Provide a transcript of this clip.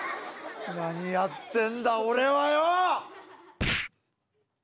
何やってんだ俺はよ。